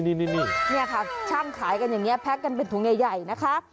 นี่ค่ะช่างขายกันอย่างนี้แพ็คกันเป็นถุงใหญ่นะคะ